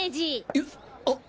んっあっ！？